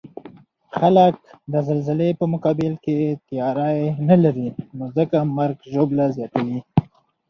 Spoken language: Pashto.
خلک د زلزلې په مقابل کې تیاری نلري، نو ځکه مرګ ژوبله زیاته وی